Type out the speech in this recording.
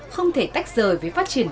không thể tách rời với phát triển